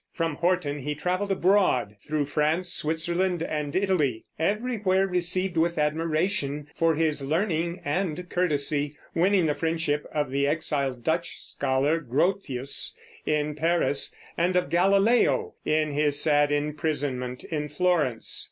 From Horton he traveled abroad, through France, Switzerland, and Italy, everywhere received with admiration for his learning and courtesy, winning the friendship of the exiled Dutch scholar Grotius, in Paris, and of Galileo in his sad imprisonment in Florence.